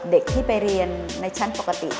เด็กที่ไปเรียนในชั้นปกติ